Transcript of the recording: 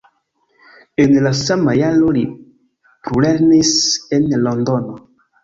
En la sama jaro li plulernis en Londono.